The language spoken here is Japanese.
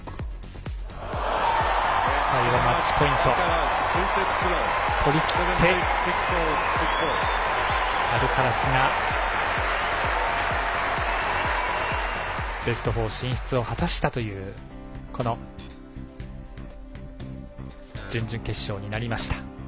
最後、マッチポイント取りきって、アルカラスがベスト４進出を果たしたというこの準々決勝になりました。